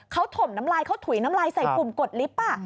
เขาถมน้ำลายเขาถุยน้ำลายใส่กลุ่มกดลิฟต์